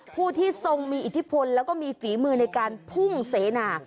ผู้ที่ทรงมีอิทธิพลแล้วก็มีฝีมือในการพุ่งเสนา